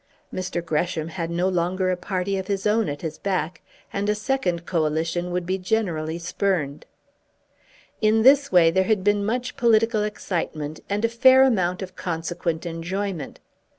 Mr. Gresham had no longer a party of his own at his back, and a second Coalition would be generally spurned. In this way there had been much political excitement, and a fair amount of consequent enjoyment.